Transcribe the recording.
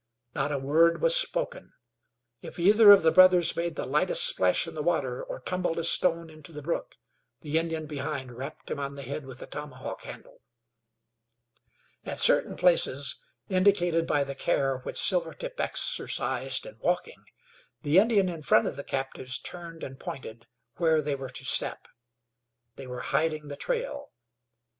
Not a word was spoken. If either of the brothers made the lightest splash in the water, or tumbled a stone into the brook, the Indian behind rapped him on the head with a tomahawk handle. At certain places, indicated by the care which Silvertip exercised in walking, the Indian in front of the captives turned and pointed where they were to step. They were hiding the trail.